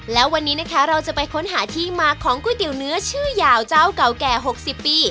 และวันนี้นะคะเราจะไปค้นหาที่มาของก๋วยเตี๋ยวเนื้อชื่อยาวเจ้าเก่าแก่๖๐ปี